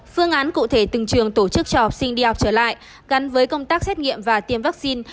phương án cụ thể từng trường tổ chức cho học sinh đi học trở lại gắn với công tác xét nghiệm và tiêm vaccine